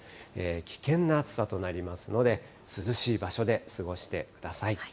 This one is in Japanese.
危険な暑さとなりますので、涼しい場所で過ごしてください。